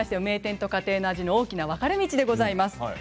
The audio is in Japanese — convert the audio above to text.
名店と家庭の味の大きな分かれ道でございます。